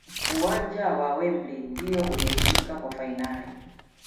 uwanja wa Wembley ndiyo uliotumika kwa fanali